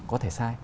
có thể sai